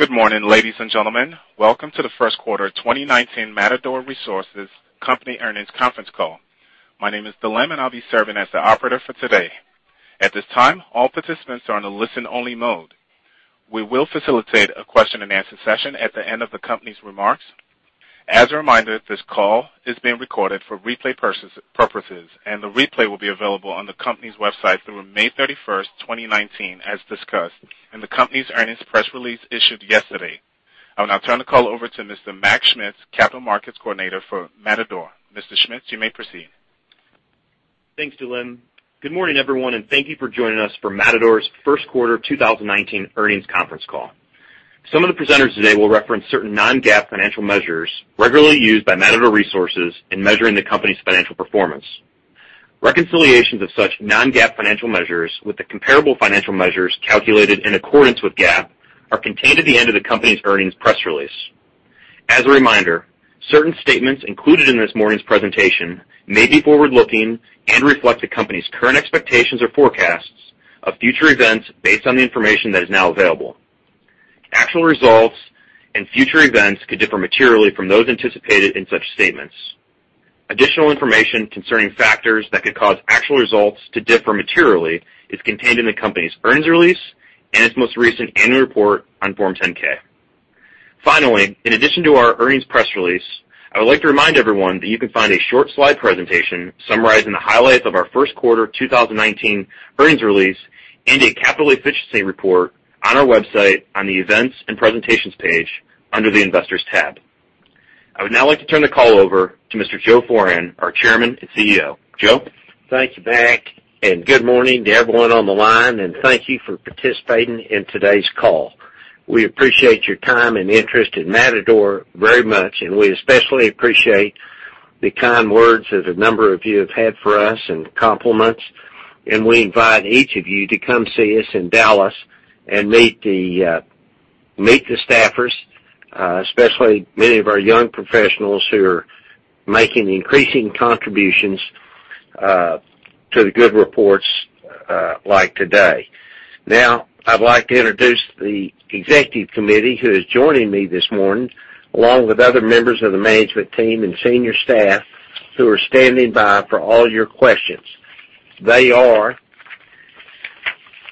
Good morning, ladies and gentlemen. Welcome to the first quarter 2019 Matador Resources Company earnings conference call. My name is Dlim, and I'll be serving as the operator for today. At this time, all participants are on a listen-only mode. We will facilitate a question-and-answer session at the end of the company's remarks. As a reminder, this call is being recorded for replay purposes, and the replay will be available on the company's website through May 31st, 2019, as discussed in the company's earnings press release issued yesterday. I will now turn the call over to Mr. Mac Schmitz, Capital Markets Coordinator for Matador. Mr. Schmitz, you may proceed. Thanks, Dlim. Good morning, everyone, and thank you for joining us for Matador's first quarter 2019 earnings conference call. Some of the presenters today will reference certain non-GAAP financial measures regularly used by Matador Resources in measuring the company's financial performance. Reconciliations of such non-GAAP financial measures with the comparable financial measures calculated in accordance with GAAP are contained at the end of the company's earnings press release. As a reminder, certain statements included in this morning's presentation may be forward-looking and reflect the company's current expectations or forecasts of future events based on the information that is now available. Actual results and future events could differ materially from those anticipated in such statements. Additional information concerning factors that could cause actual results to differ materially is contained in the company's earnings release and its most recent annual report on Form 10-K. Finally, in addition to our earnings press release, I would like to remind everyone that you can find a short slide presentation summarizing the highlights of our first quarter 2019 earnings release and a capital efficiency report on our website on the Events and Presentations page under the Investors tab. I would now like to turn the call over to Mr. Joe Foran, our Chairman and CEO. Joe? Thank you, Mac, and good morning to everyone on the line, and thank you for participating in today's call. We appreciate your time and interest in Matador very much, and we especially appreciate the kind words that a number of you have had for us and compliments, and we invite each of you to come see us in Dallas and meet the staffers, especially many of our young professionals who are making increasing contributions to the good reports like today. Now, I'd like to introduce the executive committee who is joining me this morning, along with other members of the management team and senior staff who are standing by for all your questions. They are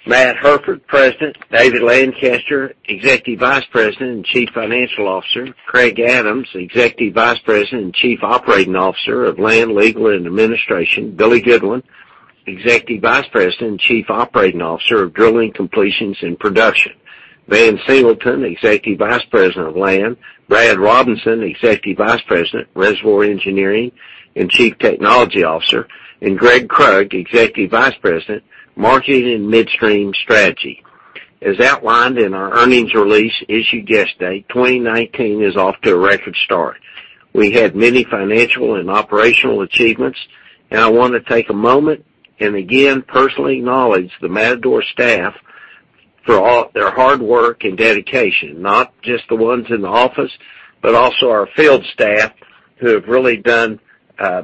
Matt Hairford, President, David Lancaster, Executive Vice President and Chief Financial Officer, Craig Adams, Executive Vice President and Chief Operating Officer of Land, Legal, and Administration, Billy Goodwin, Executive Vice President and Chief Operating Officer of Drilling, Completions, and Production, Van Singleton, Executive Vice President of Land, Brad Robinson, Executive Vice President, Reservoir Engineering and Chief Technology Officer, and Gregg Krug, Executive Vice President, Marketing and Midstream Strategy. As outlined in our earnings release issued yesterday, 2019 is off to a record start. We had many financial and operational achievements, and I want to take a moment and again personally acknowledge the Matador staff for all their hard work and dedication, not just the ones in the office, but also our field staff who have really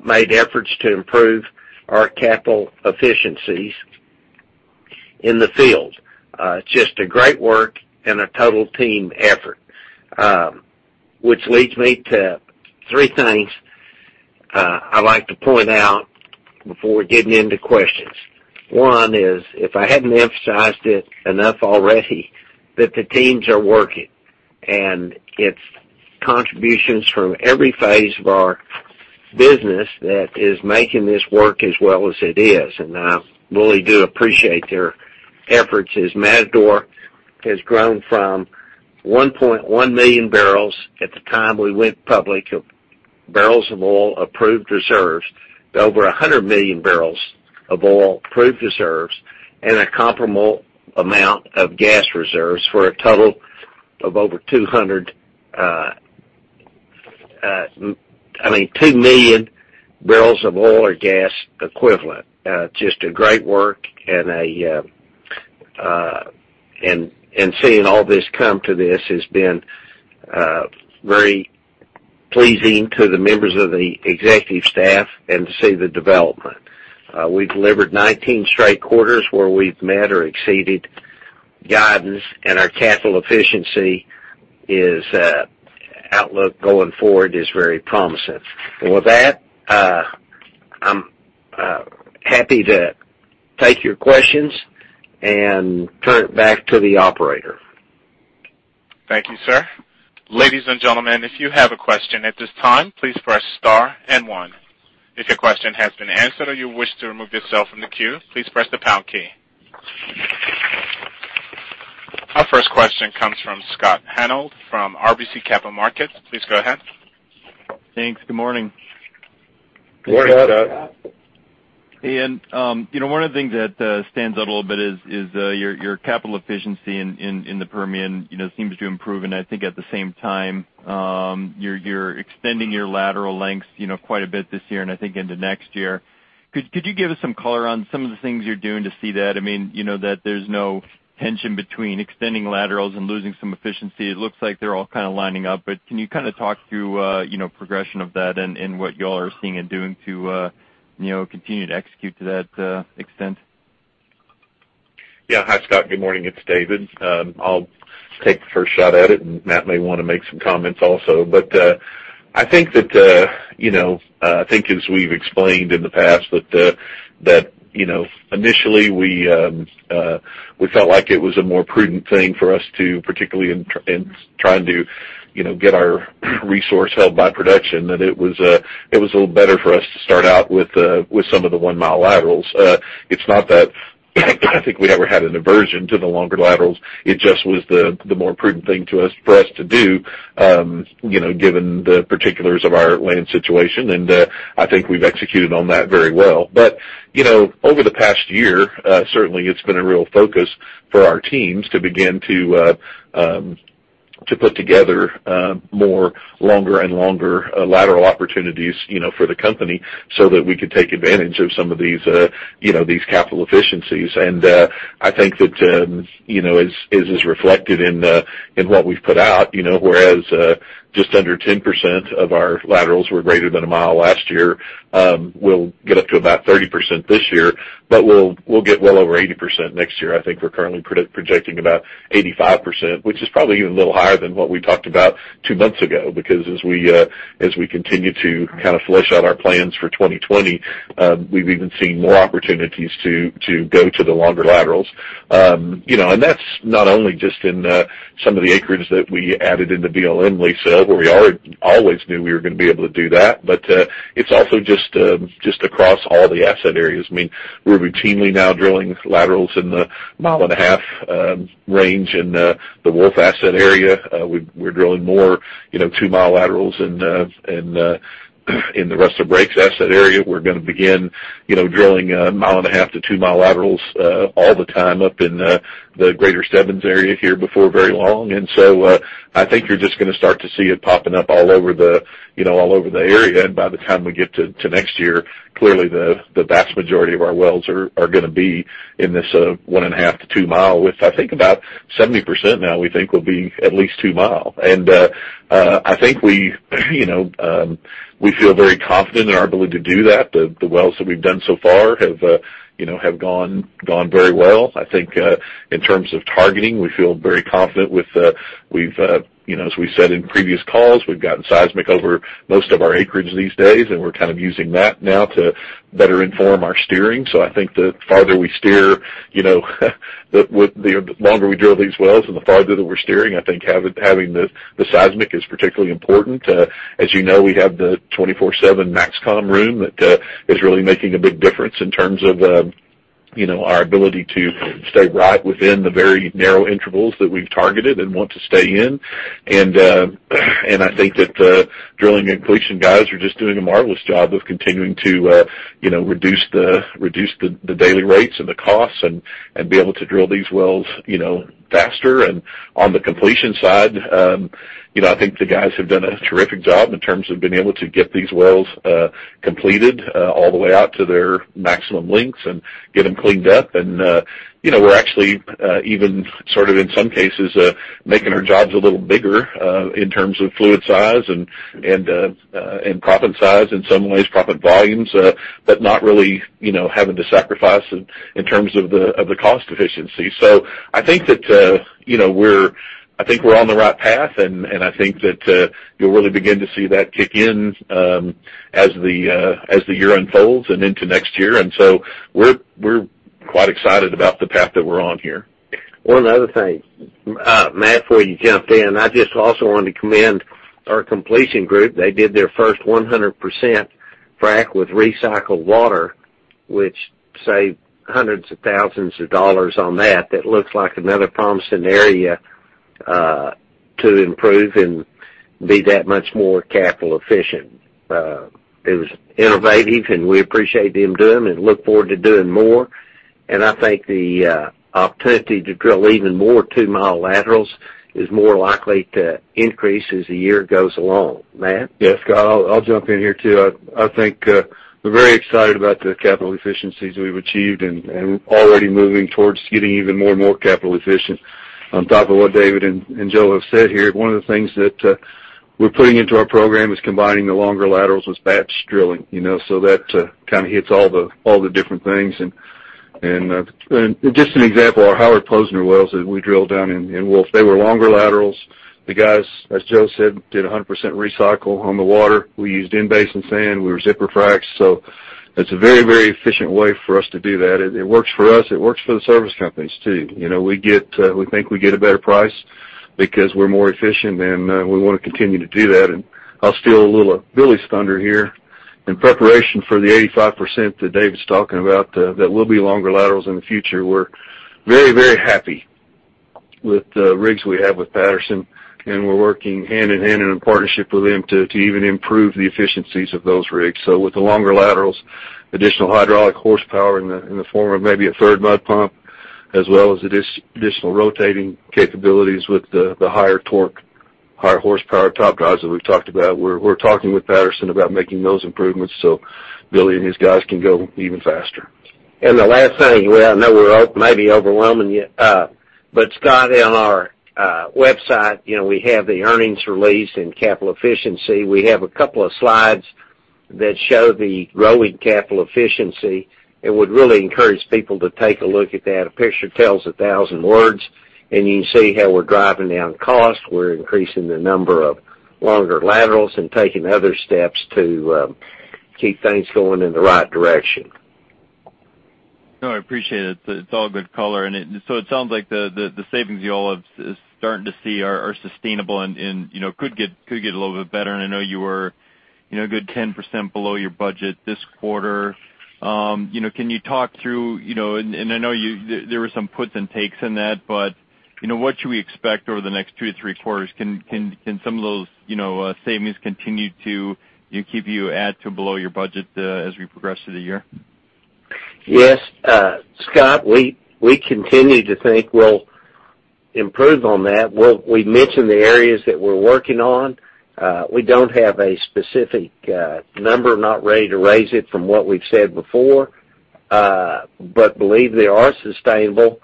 made efforts to improve our capital efficiencies in the field. Just great work and a total team effort, which leads me to three things I'd like to point out before getting into questions. One is, if I hadn't emphasized it enough already, that the teams are working, and it's contributions from every phase of our business that is making this work as well as it is, and I really do appreciate their efforts as Matador has grown from 1.1 million barrels at the time we went public, of barrels of oil approved reserves, to over 100 million barrels of oil approved reserves and a comparable amount of gas reserves for a total of over two million barrels of oil or gas equivalent. Just great work, and seeing all this come to this has been very pleasing to the members of the executive staff and to see the development. We've delivered 19 straight quarters where we've met or exceeded guidance, and our capital efficiency outlook going forward is very promising. With that, I'm happy to take your questions and turn it back to the operator. Thank you, sir. Ladies and gentlemen, if you have a question at this time, please press star and one. If your question has been answered or you wish to remove yourself from the queue, please press the pound key. Our first question comes from Scott Hanold from RBC Capital Markets. Please go ahead. Thanks. Good morning. Good morning, Scott. One of the things that stands out a little bit is your capital efficiency in the Permian seems to improve. I think at the same time, you're extending your lateral lengths quite a bit this year. I think into next year. Could you give us some color on some of the things you're doing to see that? There's no tension between extending laterals and losing some efficiency. It looks like they're all kind of lining up. Can you talk through progression of that and what you all are seeing and doing to continue to execute to that extent? Yeah. Hi, Scott. Good morning. It's David. I'll take the first shot at it. Matt may want to make some comments also. I think as we've explained in the past that initially, we felt like it was a more prudent thing for us to, particularly in trying to get our resource held by production, that it was a little better for us to start out with some of the 1-mile laterals. It's not that I think we ever had an aversion to the longer laterals, it just was the more prudent thing for us to do given the particulars of our land situation. I think we've executed on that very well. Over the past year, certainly it's been a real focus for our teams to begin to put together more longer and longer lateral opportunities for the company so that we could take advantage of some of these capital efficiencies. I think that as is reflected in what we've put out whereas just under 10% of our laterals were greater than a mile last year, we'll get up to about 30% this year, but we'll get well over 80% next year. I think we're currently projecting about 85%, which is probably even a little higher than what we talked about two months ago, because as we continue to flesh out our plans for 2020, we've even seen more opportunities to go to the longer laterals. That's not only just in some of the acreage that we added in the BLM lease sale where we always knew we were going to be able to do that, but it's also just across all the asset areas. We're routinely now drilling laterals in the mile and a half range in the Wolf asset area. We're drilling more two-mile laterals in the Rustler Breaks asset area. We're going to begin drilling a mile and a half to two-mile laterals all the time up in the Greater Stebbins area here before very long. I think you're just going to start to see it popping up all over the area. By the time we get to next year, clearly the vast majority of our wells are going to be in this one and a half to two mile, which I think about 70% now we think will be at least two mile. I think we feel very confident in our ability to do that. The wells that we've done so far have gone very well. I think in terms of targeting, we feel very confident. As we said in previous calls, we've gotten seismic over most of our acreage these days, and we're using that now to better inform our steering. I think the farther we steer, the longer we drill these wells and the farther that we're steering, I think having the seismic is particularly important. As you know, we have the 24/7 MAXCOM room that is really making a big difference in terms of our ability to stay right within the very narrow intervals that we've targeted and want to stay in. I think that the drilling and completion guys are just doing a marvelous job of continuing to reduce the daily rates and the costs and be able to drill these wells faster. On the completion side, I think the guys have done a terrific job in terms of being able to get these wells completed all the way out to their maximum lengths and get them cleaned up. We're actually even sort of, in some cases, making our jobs a little bigger in terms of fluid size and proppant size in some ways, proppant volumes, but not really having to sacrifice in terms of the cost efficiency. I think we're on the right path, and I think that you'll really begin to see that kick in as the year unfolds and into next year. We're quite excited about the path that we're on here. One other thing, Matt, before you jump in, I just also want to commend our completion group. They did their first 100% frack with recycled water, which saved $hundreds of thousands on that. That looks like another promising area to improve and be that much more capital efficient. It was innovative, and we appreciate them doing it and look forward to doing more. I think the opportunity to drill even more 2-mile laterals is more likely to increase as the year goes along. Matt? Yes, Scott, I'll jump in here too. I think we're very excited about the capital efficiencies we've achieved and already moving towards getting even more and more capital efficient. On top of what David and Joe have said here, one of the things that we're putting into our program is combining the longer laterals with batch drilling. That hits all the different things. Just an example, our Howard Posner wells that we drilled down in Wolfcamp, they were longer laterals. The guys, as Joe said, did 100% recycle on the water. We used in-basin sand. We were zipper fracs. It's a very efficient way for us to do that. It works for us. It works for the service companies too. We think we get a better price because we're more efficient, and we want to continue to do that. I'll steal a little of Billy's thunder here. In preparation for the 85% that David's talking about that will be longer laterals in the future, we're very happy with the rigs we have with Patterson-UTI, and we're working hand in hand in a partnership with them to even improve the efficiencies of those rigs. With the longer laterals, additional hydraulic horsepower in the form of maybe a third mud pump, as well as additional rotating capabilities with the higher torque, higher horsepower top drives that we've talked about. We're talking with Patterson-UTI about making those improvements so Billy and his guys can go even faster. The last thing, I know we're maybe overwhelming you. Scott, on our website, we have the earnings release and capital efficiency. We have a couple of slides that show the growing capital efficiency and would really encourage people to take a look at that. A picture tells a 1,000 words, and you can see how we're driving down costs. We're increasing the number of longer laterals and taking other steps to keep things going in the right direction. No, I appreciate it. It's all good color. It sounds like the savings you all are starting to see are sustainable and could get a little bit better. I know you were a good 10% below your budget this quarter. Can you talk through, and I know there were some puts and takes in that, but what should we expect over the next 2 to 3 quarters? Can some of those savings continue to keep you at to below your budget as we progress through the year? Yes. Scott, we continue to think we'll improve on that. We mentioned the areas that we're working on. We don't have a specific number, not ready to raise it from what we've said before. Believe they are sustainable,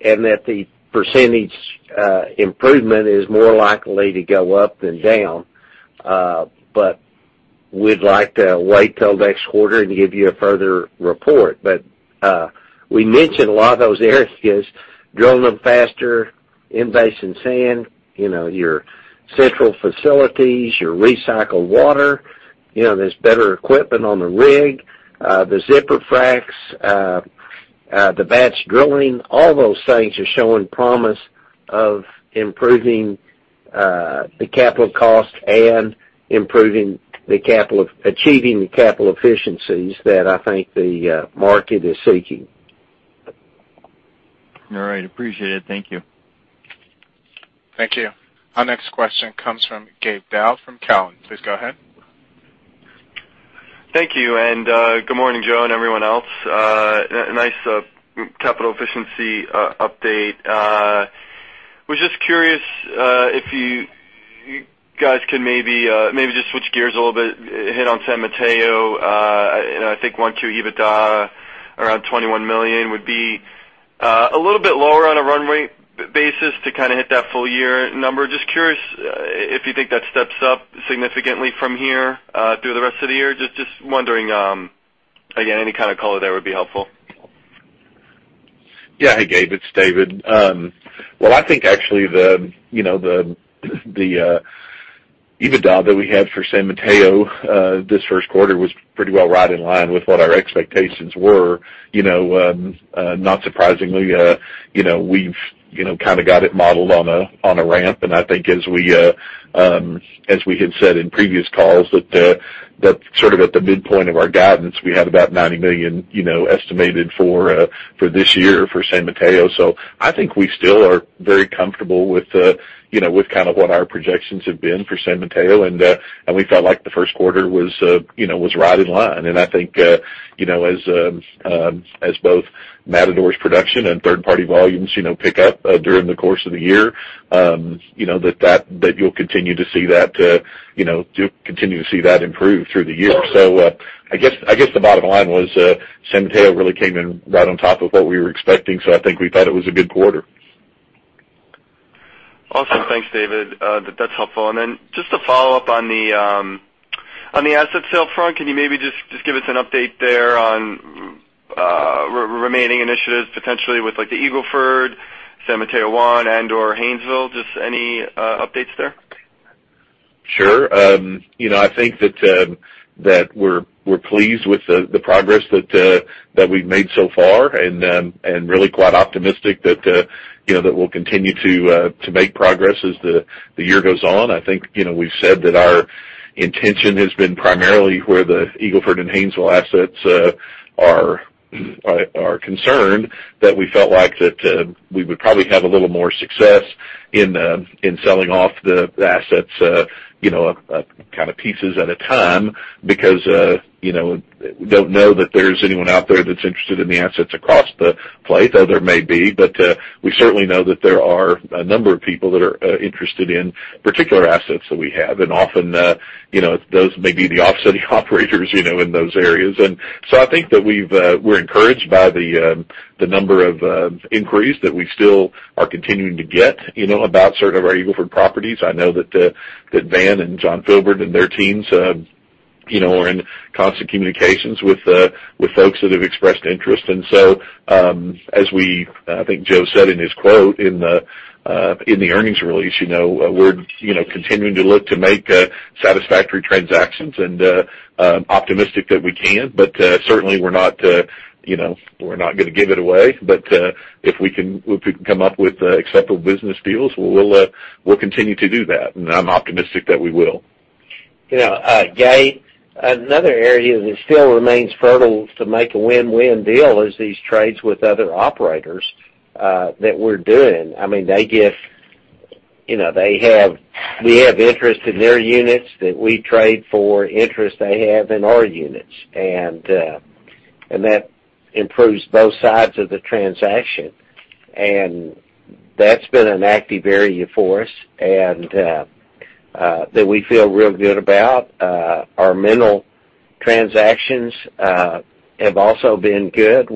and that the percentage improvement is more likely to go up than down. We'd like to wait till next quarter and give you a further report. We mentioned a lot of those areas, drilling them faster, in-basin sand, your central facilities, your recycled water. There's better equipment on the rig, the zipper fracs, the batch drilling. All those things are showing promise of improving the capital cost and achieving the capital efficiencies that I think the market is seeking. All right. Appreciate it. Thank you. Thank you. Our next question comes from Gabe Daoud from Cowen. Please go ahead. Thank you. Good morning, Joe and everyone else. A nice capital efficiency update. Was just curious if you guys can maybe just switch gears a little bit, hit on San Mateo. I think 1Q EBITDA around $21 million would be a little bit lower on a run-rate basis to hit that full-year number. Just curious if you think that steps up significantly from here through the rest of the year. Just wondering, again, any kind of color there would be helpful. Yeah. Hey, Gabe, it's David. I think actually the EBITDA that we had for San Mateo this first quarter was pretty well right in line with what our expectations were. Not surprisingly we've got it modeled on a ramp. I think as we had said in previous calls, that at the midpoint of our guidance, we had about $90 million estimated for this year for San Mateo. I think we still are very comfortable with what our projections have been for San Mateo, and we felt like the first quarter was right in line. I think as both Matador's production and third-party volumes pick up during the course of the year that you'll continue to see that improve through the year. I guess the bottom line was San Mateo really came in right on top of what we were expecting. I think we thought it was a good quarter. Awesome. Thanks, David. That's helpful. Just to follow up on the asset sale front, can you maybe just give us an update there on remaining initiatives, potentially with like the Eagle Ford, San Mateo 1, and/or Haynesville? Just any updates there? Sure. I think that we're pleased with the progress that we've made so far and really quite optimistic that we'll continue to make progress as the year goes on. I think we've said that our intention has been primarily where the Eagle Ford and Haynesville assets are concerned, that we felt like that we would probably have a little more success in selling off the assets kind of pieces at a time because we don't know that there's anyone out there that's interested in the assets across the plate, though there may be. We certainly know that there are a number of people that are interested in particular assets that we have. Often those may be the offsetting operators in those areas. I think that we're encouraged by the number of inquiries that we still are continuing to get about certain of our Eagle Ford properties. I know that Van and Jonathan Filbert and their teams are in constant communications with folks that have expressed interest. As I think Joe said in his quote in the earnings release, we're continuing to look to make satisfactory transactions and optimistic that we can. Certainly we're not going to give it away. If we can come up with acceptable business deals, we'll continue to do that, and I'm optimistic that we will. Gabe, another area that still remains fertile to make a win-win deal is these trades with other operators that we're doing. We have interest in their units that we trade for interest they have in our units. That improves both sides of the transaction, and that's been an active area for us, and that we feel real good about. Our mineral transactions have also been good.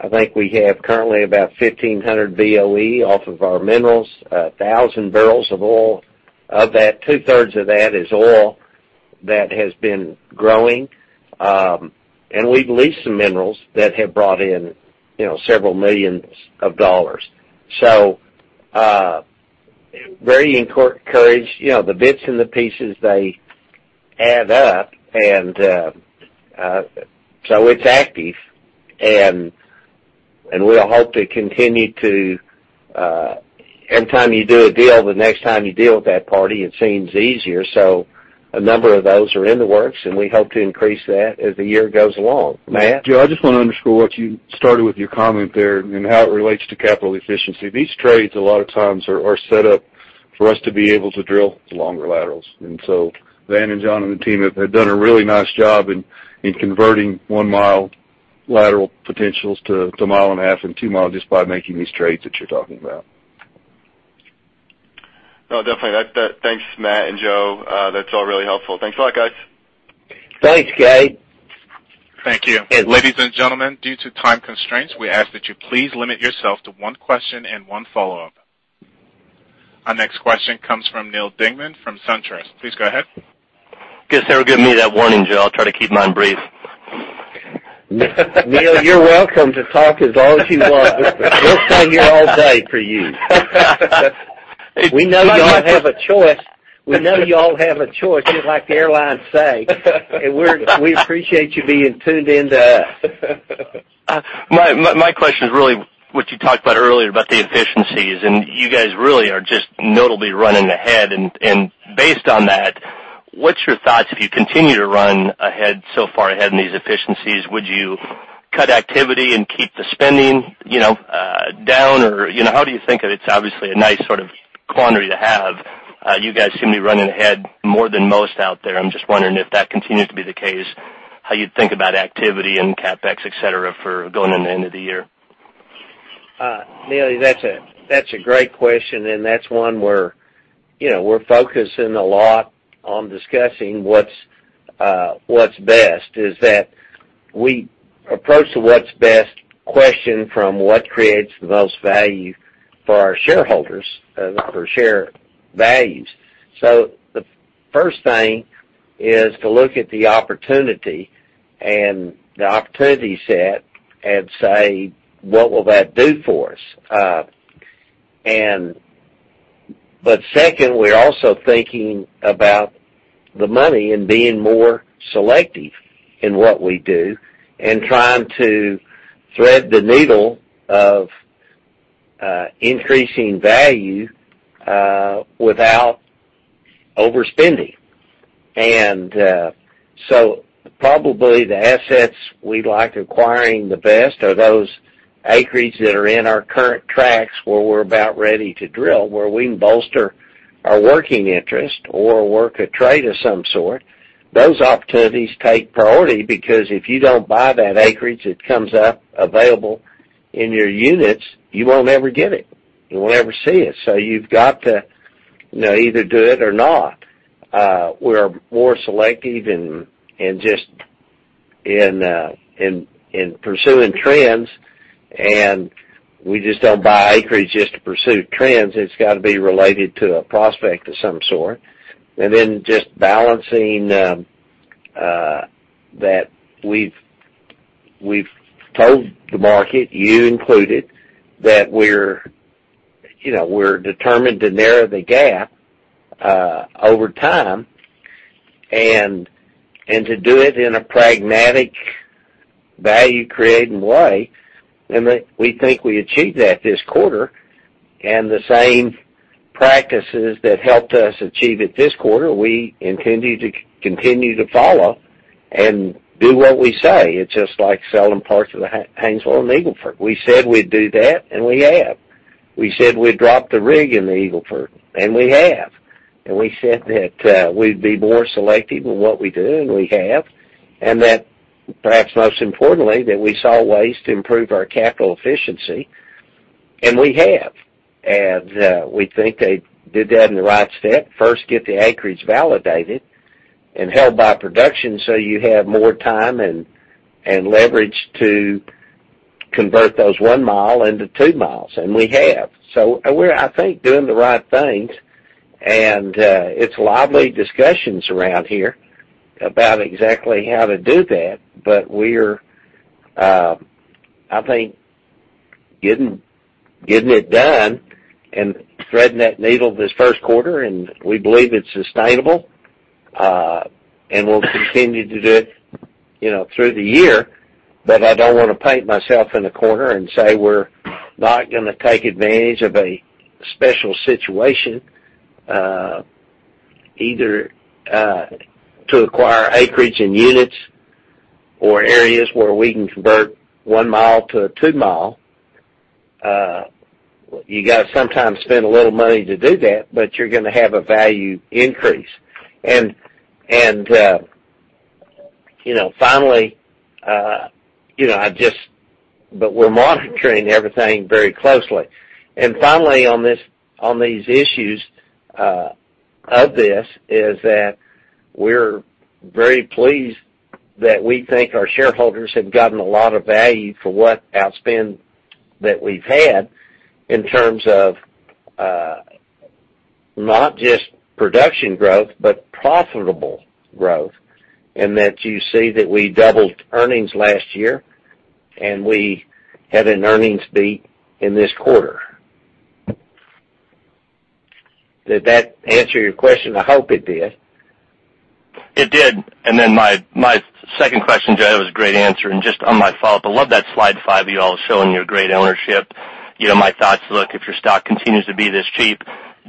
I think we have currently about 1,500 BOE off of our minerals, 1,000 barrels of oil. Of that, two-thirds of that is oil that has been growing. We've leased some minerals that have brought in several million dollars. Very encouraged. The bits and the pieces, they add up, it's active. Anytime you do a deal, the next time you deal with that party, it seems easier. A number of those are in the works, and we hope to increase that as the year goes along. Matt? Joe, I just want to underscore what you started with your comment there and how it relates to capital efficiency. These trades a lot of times are set up for us to be able to drill the longer laterals. Van and John, and the team have done a really nice job in converting one-mile lateral potentials to mile and a half and two miles just by making these trades that you're talking about. No, definitely. Thanks, Matt and Joe. That's all really helpful. Thanks a lot, guys. Thanks, Gabe. Thank you. Ladies and gentlemen, due to time constraints, we ask that you please limit yourself to one question and one follow-up. Our next question comes from Neal Dingmann from SunTrust. Please go ahead. Good. Give me that warning, Joe. I'll try to keep mine brief. Neal, you're welcome to talk as long as you want. We'll stay here all day for you. We know you all have a choice, just like the airlines say. We appreciate you being tuned in to us. My question is really what you talked about earlier about the efficiencies, and you guys really are just notably running ahead. Based on that, what's your thoughts if you continue to run so far ahead in these efficiencies? Would you cut activity and keep the spending down? How do you think of it? It's obviously a nice sort of quandary to have. You guys seem to be running ahead more than most out there. I'm just wondering if that continues to be the case, how you think about activity and CapEx, et cetera, for going into the end of the year. Neal, that's a great question. That's one we're focusing a lot on discussing what's best, is that we approach the what's best question from what creates the most value for our shareholders, for share values. The first thing is to look at the opportunity and the opportunity set and say, what will that do for us? Second, we're also thinking about the money and being more selective in what we do and trying to thread the needle of increasing value without overspending. Probably the assets we like acquiring the best are those acreage that are in our current tracks where we're about ready to drill, where we can bolster our working interest or work a trade of some sort. Those opportunities take priority, because if you don't buy that acreage that comes up available in your units, you won't ever get it. You won't ever see it. You've got to either do it or not. We're more selective in pursuing trends, and we just don't buy acreage just to pursue trends. It's got to be related to a prospect of some sort. Just balancing that we've told the market, you included, that we're determined to narrow the gap over time and to do it in a pragmatic, value-creating way. We think we achieved that this quarter. The same practices that helped us achieve it this quarter, we intended to continue to follow and do what we say. It's just like selling parts of the Haynesville and the Eagle Ford. We said we'd do that, and we have. We said we'd drop the rig in the Eagle Ford, and we have. We said that we'd be more selective in what we do, and we have. That perhaps most importantly, that we saw ways to improve our capital efficiency, and we have. We think they did that in the right step. First, get the acreage validated and held by production so you have more time and leverage to convert those one mile into two miles, and we have. We're, I think, doing the right things, and it's lively discussions around here about exactly how to do that. We're, I think getting it done and threading that needle this first quarter, and we believe it's sustainable. We'll continue to do it through the year, but I don't want to paint myself in a corner and say we're not going to take advantage of a special situation, either to acquire acreage in units or areas where we can convert one mile to a two mile. You got to sometimes spend a little money to do that, but you're going to have a value increase. Finally, we're monitoring everything very closely. Finally, on these issues of this is that we're very pleased that we think our shareholders have gotten a lot of value for what outspend that we've had in terms of not just production growth, but profitable growth, and that you see that we doubled earnings last year, and we had an earnings beat in this quarter. Did that answer your question? I hope it did. It did. My second question, Joe, that was a great answer, and just on my follow-up, I love that slide five you all showing your great ownership. My thoughts, look, if your stock continues to be this cheap,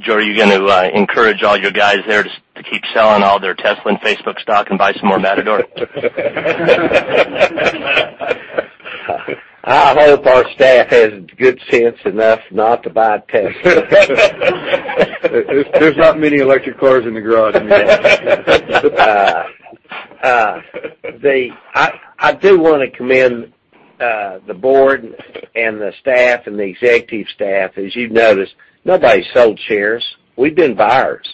Joe, are you going to encourage all your guys there to keep selling all their Tesla and Facebook stock and buy some more Matador? I hope our staff has good sense enough not to buy Tesla. There's not many electric cars in the garage, Neal. I do want to commend the board and the staff and the executive staff. As you've noticed, nobody's sold shares. We've been buyers.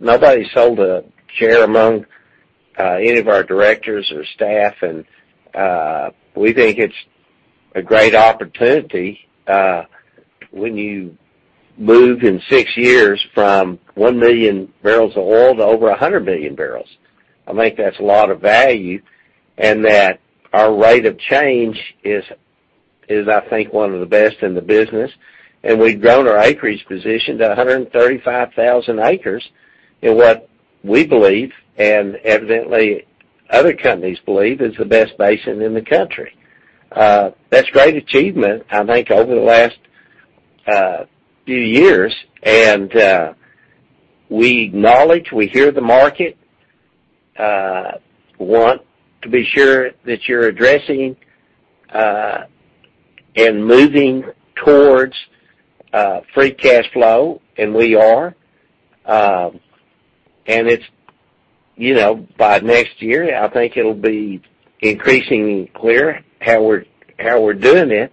Nobody's sold a share among any of our directors or staff, we think it's a great opportunity when you move in six years from one million barrels of oil to over 100 million barrels. I think that's a lot of value, that our rate of change is, I think, one of the best in the business. We've grown our acreage position to 135,000 acres in what we believe, and evidently other companies believe, is the best basin in the country. That's a great achievement, I think, over the last few years. We acknowledge, we hear the market, want to be sure that you're addressing and moving towards free cash flow, and we are. By next year, I think it'll be increasingly clear how we're doing it.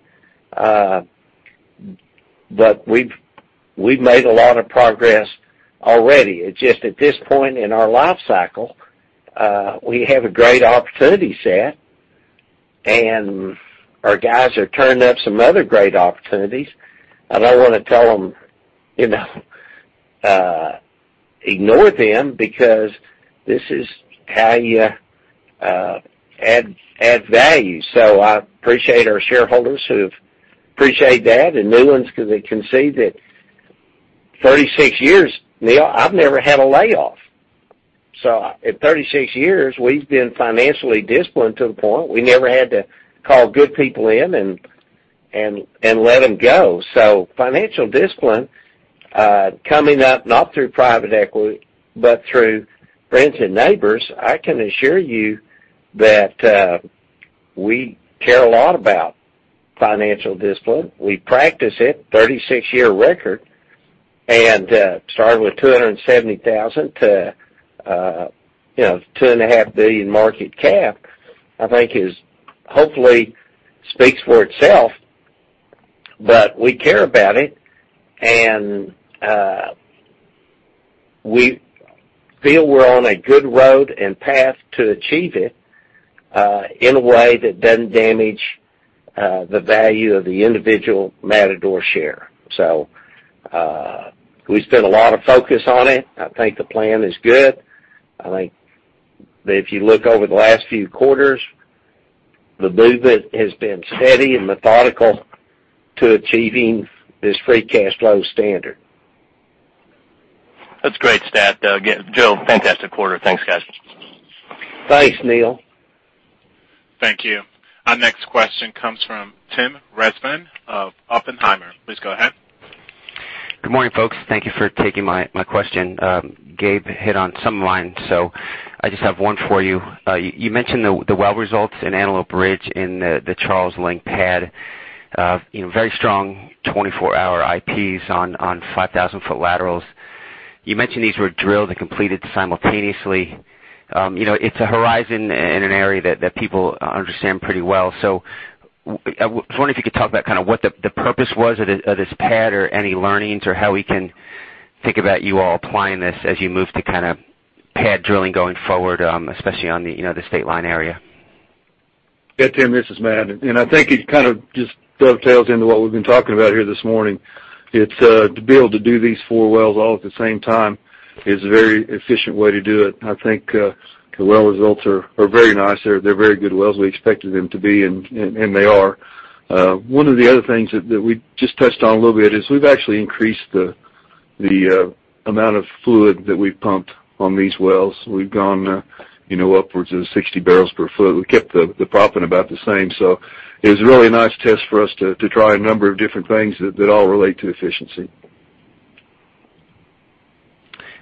We've made a lot of progress already. It's just at this point in our life cycle, we have a great opportunity set, and our guys are turning up some other great opportunities. I don't want to tell them ignore them because this is how you add value. I appreciate our shareholders who've appreciated that, and new ones because they can see that 36 years, Neal, I've never had a layoff. In 36 years, we've been financially disciplined to the point we never had to call good people in and let them go. Financial discipline, coming up not through private equity, but through friends and neighbors, I can assure you that we care a lot about financial discipline. We practice it, 36-year record, and starting with $270,000 to $2.5 billion market cap, I think hopefully speaks for itself. We care about it, and we feel we're on a good road and path to achieve it, in a way that doesn't damage the value of the individual Matador share. We spend a lot of focus on it. I think the plan is good. I think that if you look over the last few quarters, the movement has been steady and methodical to achieving this free cash flow standard. That's a great stat, Joe. Fantastic quarter. Thanks, guys. Thanks, Neal. Thank you. Our next question comes from Tim Rezvan of Oppenheimer. Please go ahead. Good morning, folks. Thank you for taking my question. Gabe hit on some lines, I just have one for you. You mentioned the well results in Antelope Ridge in the Charles Ling pad. Very strong 24-hour IPs on 5,000-foot laterals. You mentioned these were drilled and completed simultaneously. It's a horizon in an area that people understand pretty well. I was wondering if you could talk about what the purpose was of this pad or any learnings, or how we can think about you all applying this as you move to pad drilling going forward, especially on the state line area. Yeah, Tim, this is Matt. I think it just dovetails into what we've been talking about here this morning. To be able to do these four wells all at the same time is a very efficient way to do it. I think the well results are very nice. They're very good wells. We expected them to be, and they are. One of the other things that we just touched on a little bit is we've actually increased the amount of fluid that we've pumped on these wells. We've gone upwards of 60 barrels per fluid. We kept the proppant about the same. It was really a nice test for us to try a number of different things that all relate to efficiency.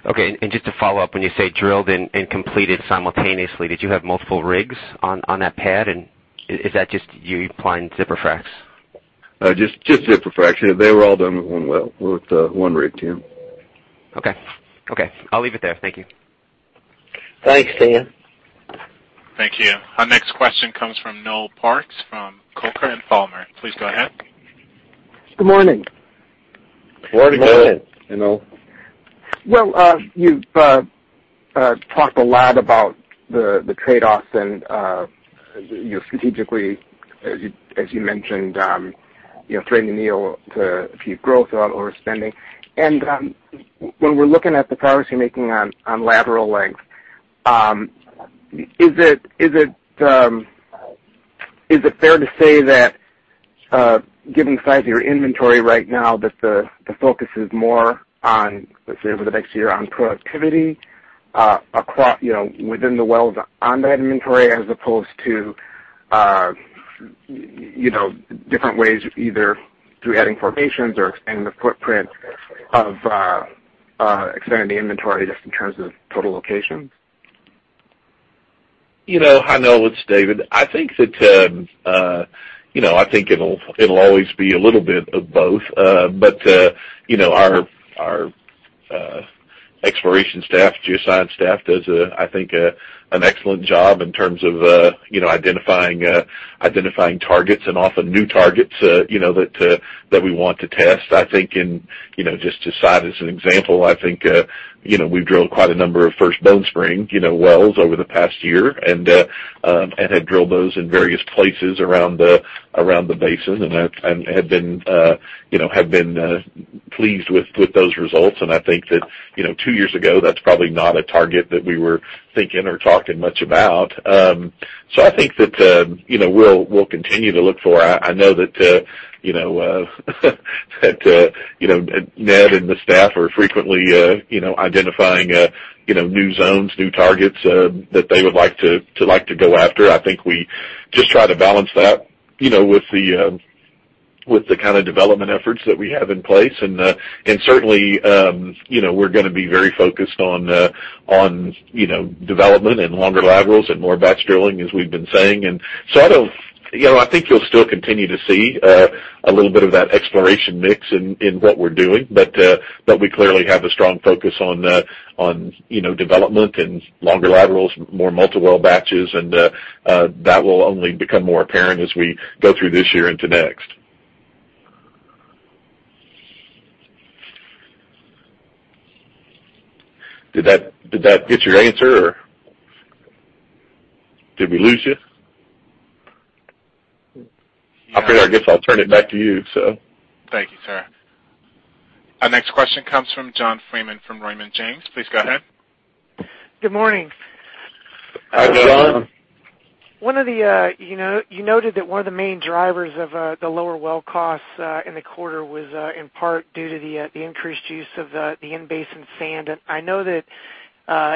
Okay, just to follow up, when you say drilled and completed simultaneously, did you have multiple rigs on that pad, and is that just you applying zipper fracs? Just zipper frac. They were all done with one well, with one rig, Tim. Okay. I'll leave it there. Thank you. Thanks, Dan. Thank you. Our next question comes from Noel Parks from Coker & Palmer. Please go ahead. Good morning. Morning, Noel. Well, you've talked a lot about the trade-offs and strategically, as you mentioned, threading the needle to achieve growth or spending. When we're looking at the policy making on lateral length, is it fair to say that, given the size of your inventory right now, that the focus is more on, let's say, over the next year on productivity within the wells on that inventory as opposed to different ways, either through adding formations or expanding the footprint of expanding the inventory just in terms of total locations? Hi, Noel. It's David. I think it'll always be a little bit of both. Our exploration staff, geoscience staff, does an excellent job in terms of identifying targets and often new targets that we want to test. Just to cite as an example, I think we've drilled quite a number of First Bone Spring wells over the past year, and have drilled those in various places around the basin, and have been pleased with those results. I think that two years ago, that's probably not a target that we were thinking or talking much about. I think that we'll continue to look for I know that Ned and the staff are frequently identifying new zones, new targets that they would like to go after. I think we just try to balance that with the kind of development efforts that we have in place. Certainly we're going to be very focused on development and longer laterals and more batch drilling, as we've been saying. I think you'll still continue to see a little bit of that exploration mix in what we're doing. We clearly have a strong focus on development and longer laterals, more multi-well batches, and that will only become more apparent as we go through this year into next. Did that get your answer, or did we lose you? Yeah. I guess I'll turn it back to you. Thank you, sir. Our next question comes from John Freeman from Raymond James. Please go ahead. Good morning. Hi, John. You noted that one of the main drivers of the lower well costs in the quarter was in part due to the increased use of the in-basin sand. I know that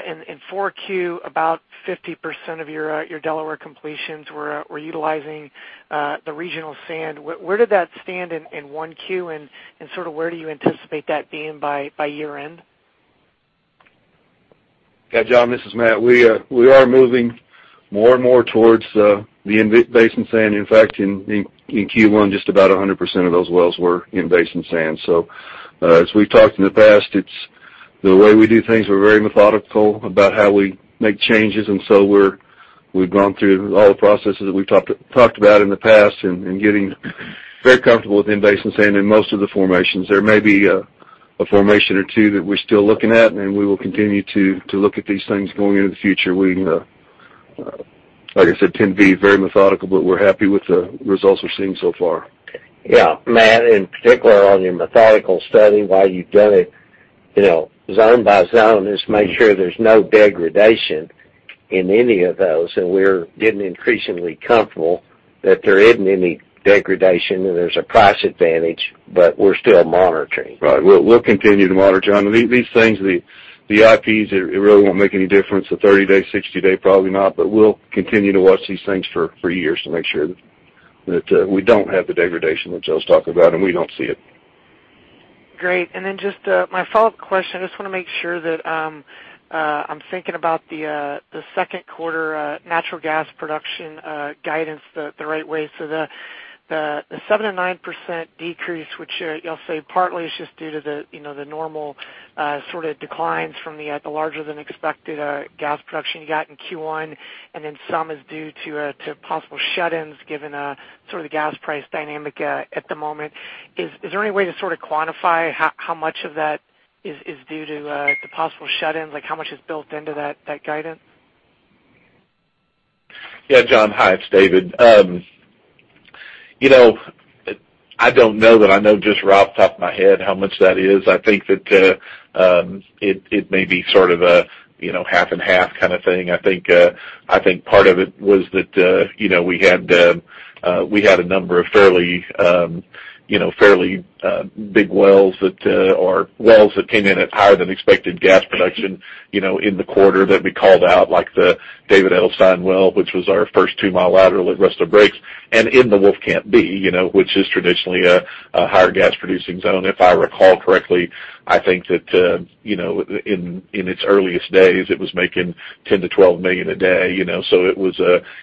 in 4Q, about 50% of your Delaware completions were utilizing the regional sand. Where did that stand in 1Q, and where do you anticipate that being by year-end? Yeah, John, this is Matt. We are moving more and more towards the in-basin sand. In fact, in Q1, just about 100% of those wells were in-basin sand. As we've talked in the past, the way we do things, we're very methodical about how we make changes, and so we've gone through all the processes that we've talked about in the past, and getting very comfortable with in-basin sand in most of the formations. There may be a formation or two that we're still looking at, and we will continue to look at these things going into the future. Like I said, tend to be very methodical, but we're happy with the results we're seeing so far. Yeah. Matt, in particular on your methodical study, why you've done it zone by zone is to make sure there's no degradation in any of those. We're getting increasingly comfortable that there isn't any degradation, and there's a price advantage, but we're still monitoring. Right. We'll continue to monitor, John. These things, the IPs, it really won't make any difference. A 30-day, 60-day, probably not, but we'll continue to watch these things for years to make sure that we don't have the degradation, which I was talking about, and we don't see it. Great. Just my follow-up question, I just want to make sure that I'm thinking about the second quarter natural gas production guidance the right way. The 7%-9% decrease, which you'll say partly is just due to the normal sort of declines from the larger than expected gas production you got in Q1, and then some is due to possible shut-ins given sort of the gas price dynamic at the moment. Is there any way to sort of quantify how much of that is due to the possible shut-ins? How much is built into that guidance? Yeah. John, hi, it's David. I don't know that I know just off the top of my head how much that is. I think that it may be sort of a half and half kind of thing. I think part of it was that we had a number of fairly big wells, or wells that came in at higher than expected gas production in the quarter that we called out, like the David Edelstein well, which was our first 2-mile lateral at Rustler Breaks, and in the Wolfcamp B, which is traditionally a higher gas producing zone. If I recall correctly, I think that in its earliest days, it was making 10 to 12 million a day, so it was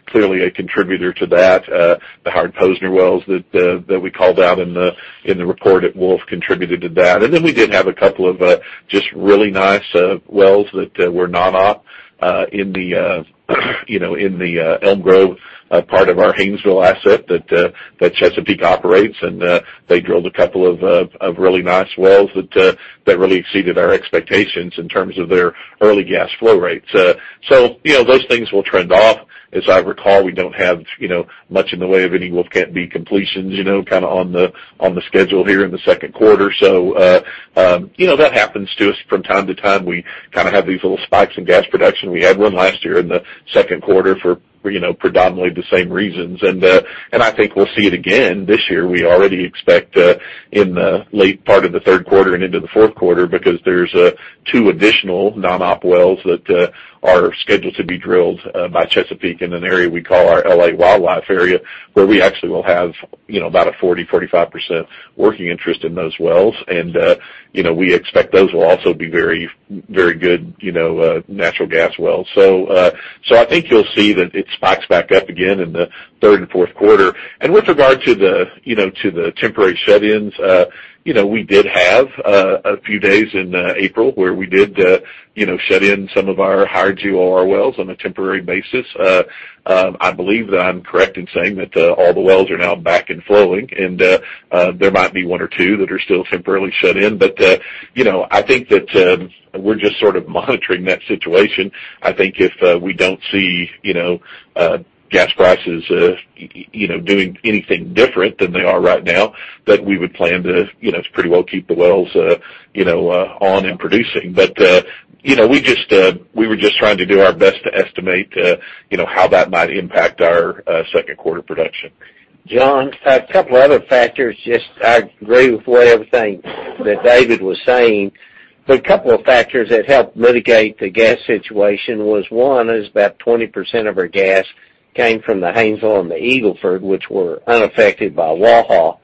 clearly a contributor to that. The Howard Posner wells that we called out in the report at Wolf contributed to that. We did have a couple of just really nice wells that were non-op in the Elm Grove part of our Haynesville asset that Chesapeake operates, and they drilled a couple of really nice wells that really exceeded our expectations in terms of their early gas flow rates. Those things will trend off. As I recall, we don't have much in the way of any Wolfcamp B completions on the schedule here in the second quarter. That happens to us from time to time. We have these little spikes in gas production. We had one last year in the second quarter for predominantly the same reasons. I think we'll see it again this year. We already expect in the late part of the third quarter and into the fourth quarter, because there are two additional non-op wells that are scheduled to be drilled by Chesapeake in an area we call our L.A. Wildlife area, where we actually will have about a 40%-45% working interest in those wells. We expect those will also be very good natural gas wells. I think you'll see that it spikes back up again in the third and fourth quarter. With regard to the temporary shut-ins, we did have a few days in April where we did shut in some of our higher GOR wells on a temporary basis. I believe that I'm correct in saying that all the wells are now back and flowing, and there might be one or two that are still temporarily shut in. I think that we're just sort of monitoring that situation. I think if we don't see gas prices doing anything different than they are right now, that we would plan to pretty well keep the wells on and producing. We were just trying to do our best to estimate how that might impact our second quarter production. John, a couple of other factors, just I agree with everything that David was saying, a couple of factors that helped mitigate the gas situation was one, is about 20% of our gas came from the Haynesville and the Eagle Ford, which were unaffected by WAHA.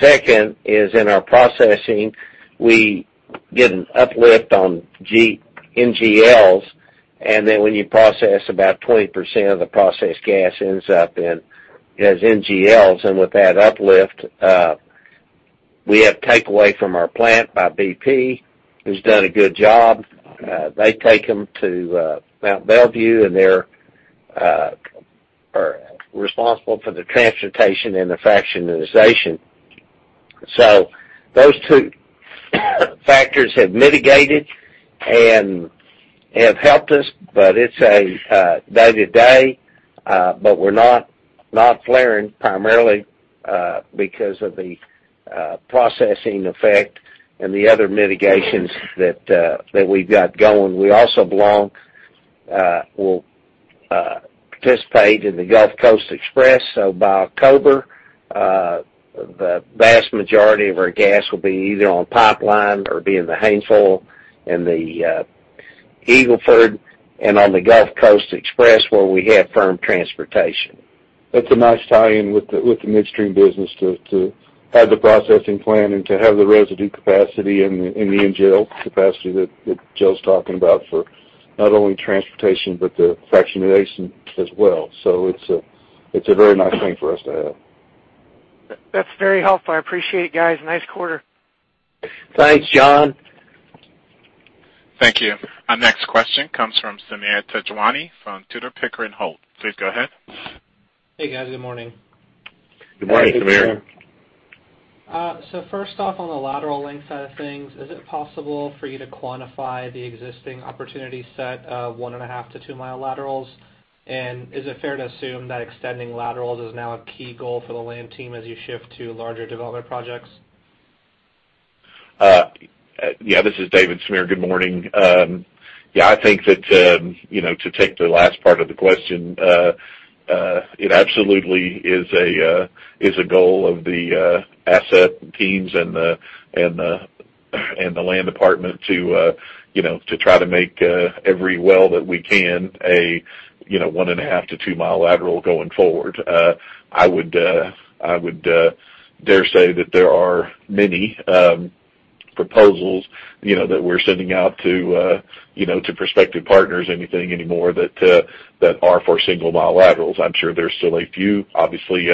Second is in our processing, we get an uplift on NGLs, and then when you process, about 20% of the processed gas ends up as NGLs. With that uplift, we have takeaway from our plant by BP, who's done a good job. They take them to Mont Belvieu, and they're responsible for the transportation and the fractionation. Those two factors have mitigated and have helped us, it's a day-to-day. We're not flaring primarily because of the processing effect and the other mitigations that we've got going. We also will participate in the Gulf Coast Express. By October, the vast majority of our gas will be either on pipeline or be in the Haynesville and the Eagle Ford and on the Gulf Coast Express, where we have firm transportation. That's a nice tie-in with the midstream business to have the processing plant and to have the residue capacity and the NGL capacity that Joe's talking about for not only transportation, but the fractionation as well. It's a very nice thing for us to have. That's very helpful. I appreciate it, guys. Nice quarter. Thanks, John. Thank you. Our next question comes from Sameer Tejwani from Tudor, Pickering, Holt. Please go ahead. Hey, guys. Good morning. Good morning, Sameer. Hey, Sameer. First off, on the lateral length side of things, is it possible for you to quantify the existing opportunity set of one and a half to two-mile laterals? Is it fair to assume that extending laterals is now a key goal for the land team as you shift to larger development projects? Yeah, this is David, Sameer. Good morning. I think that to take the last part of the question, it absolutely is a goal of the asset teams and the land department to try to make every well that we can a one-and-a-half to two-mile lateral going forward. I would dare say that there are many proposals that we're sending out to prospective partners anything anymore that are for single-mile laterals. I'm sure there's still a few. Obviously,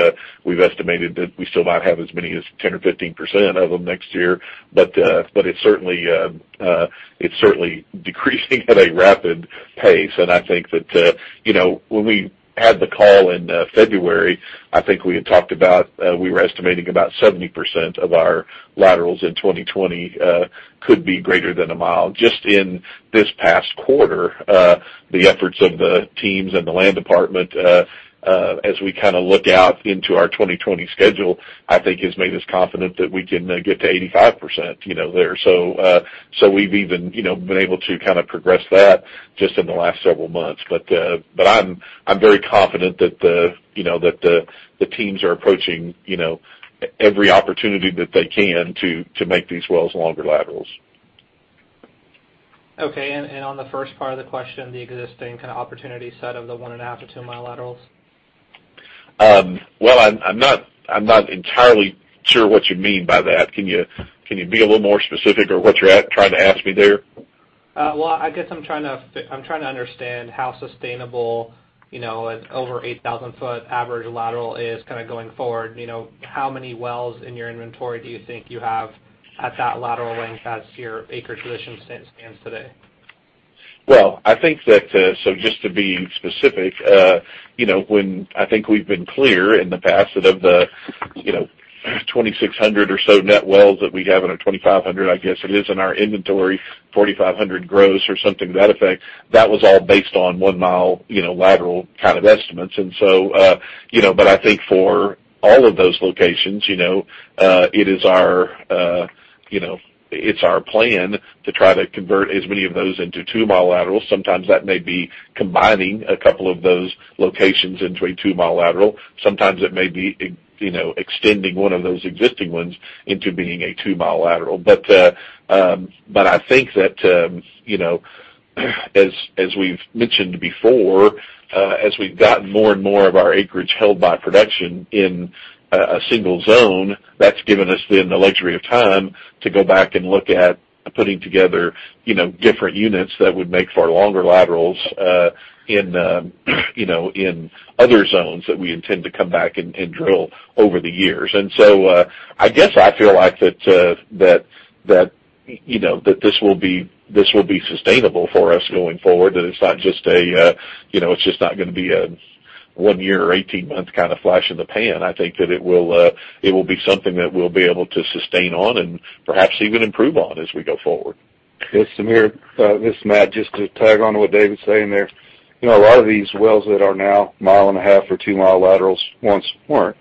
we've estimated that we still might have as many as 10% or 15% of them next year, it's certainly decreasing at a rapid pace. I think that when we had the call in February, I think we had talked about we were estimating about 70% of our laterals in 2020 could be greater than a mile. Just in this past quarter, the efforts of the teams and the land department, as we look out into our 2020 schedule, I think has made us confident that we can get to 85% there. We've even been able to progress that just in the last several months. I'm very confident that the teams are approaching every opportunity that they can to make these wells longer laterals. Okay. On the first part of the question, the existing opportunity set of the one-and-a-half to two-mile laterals? Well, I'm not entirely sure what you mean by that. Can you be a little more specific on what you're trying to ask me there? I guess I'm trying to understand how sustainable as over 8,000 foot average lateral is going forward, how many wells in your inventory do you think you have at that lateral length as your acre position stands today? I think that, just to be specific, I think we've been clear in the past that of the 2,600 or so net wells that we have, or 2,500, I guess it is, in our inventory, 4,500 gross or something to that effect, that was all based on one mile lateral kind of estimates. I think for all of those locations, it's our plan to try to convert as many of those into two-mile laterals. Sometimes that may be combining a couple of those locations into a two-mile lateral. Sometimes it may be extending one of those existing ones into being a two-mile lateral. I think that, as we've mentioned before, as we've gotten more and more of our acreage held by production in a single zone, that's given us then the luxury of time to go back and look at putting together different units that would make for longer laterals in other zones that we intend to come back and drill over the years. I guess I feel like that this will be sustainable for us going forward, that it's just not going to be a one year or 18-month flash in the pan. I think that it will be something that we'll be able to sustain on and perhaps even improve on as we go forward. Yes, Sameer. This is Matt. Just to tag on to what David's saying there. A lot of these wells that are now mile and a half or two-mile laterals once weren't.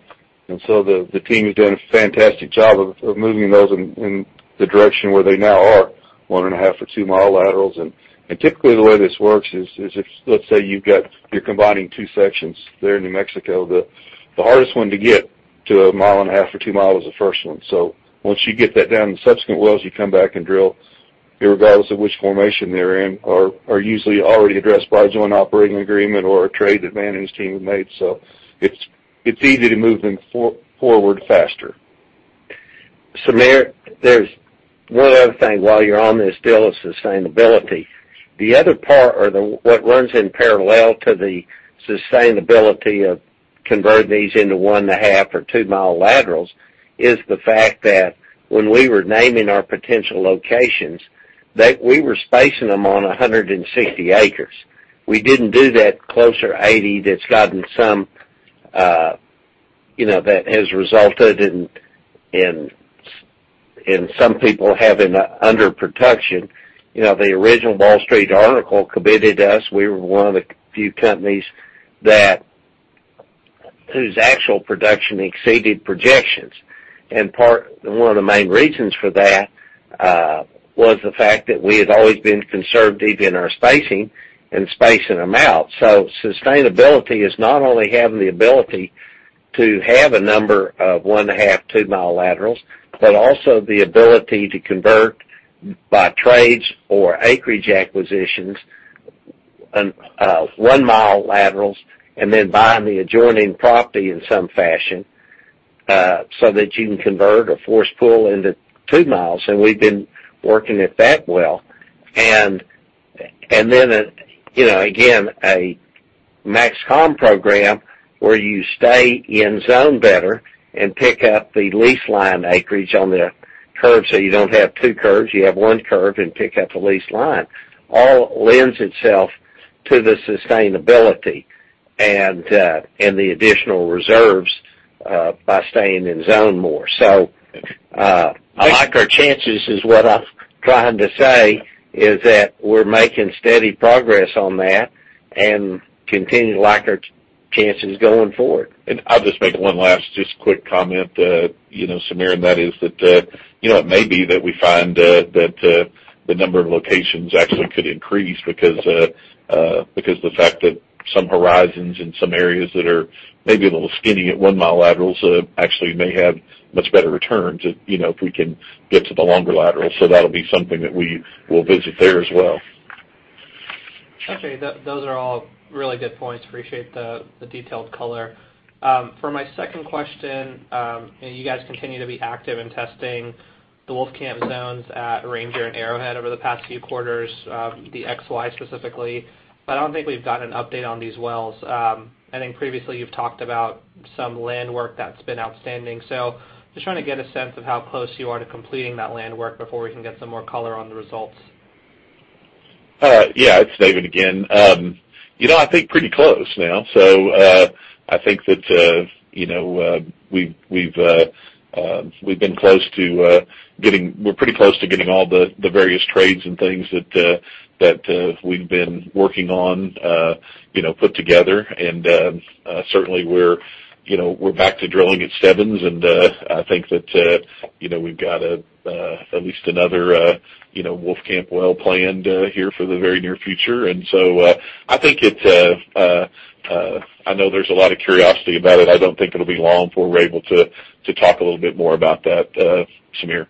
The team has done a fantastic job of moving those in the direction where they now are, one and a half or two-mile laterals. Typically the way this works is if, let's say, you're combining two sections there in New Mexico, the hardest one to get to a mile and a half or two mile is the first one. Once you get that down in subsequent wells, you come back and drill, irregardless of which formation they're in, are usually already addressed by a joint operating agreement or a trade that Matt and his team have made. It's easy to move them forward faster. Samir, there's one other thing while you're on this, still is sustainability. The other part or what runs in parallel to the sustainability of converting these into one and a half or two-mile laterals is the fact that when we were naming our potential locations, that we were spacing them on 160 acres. We didn't do that closer 80 that has resulted in some people having an under-protection. The original Wall Street article committed us. We were one of the few companies whose actual production exceeded projections. One of the main reasons for that was the fact that we had always been conservative in our spacing and spacing them out. Sustainability is not only having the ability to have a number of one and a half, two-mile laterals, but also the ability to convert by trades or acreage acquisitions, one-mile laterals, then buying the adjoining property in some fashion, so that you can convert a forced pooling into two miles. We've been working at that well. Then, again, a MAXCOM program where you stay in zone better and pick up the lease line acreage on the curve so you don't have two curves, you have one curve and pick up the lease line, all lends itself to the sustainability and the additional reserves by staying in zone more. I like our chances, is what I'm trying to say, is that we're making steady progress on that and continue to like our chances going forward. I'll just make one last just quick comment, Samir, and that is that it may be that we find that the number of locations actually could increase because the fact that some horizons in some areas that are maybe a little skinny at one-mile laterals actually may have much better returns if we can get to the longer laterals. That'll be something that we will visit there as well. Okay. Those are all really good points. Appreciate the detailed color. For my second question, you guys continue to be active in testing the Wolfcamp zones at Ranger and Arrowhead over the past few quarters, the XY specifically. I don't think we've got an update on these wells. I think previously you've talked about some land work that's been outstanding. Just trying to get a sense of how close you are to completing that land work before we can get some more color on the results. Yeah. It is David again. I think pretty close now. I think that we are pretty close to getting all the various trades and things that we have been working on put together. Certainly we are back to drilling at Stebbins, and I think that we have got at least another Wolfcamp well planned here for the very near future. I know there is a lot of curiosity about it. I don't think it will be long before we are able to talk a little bit more about that, Samir.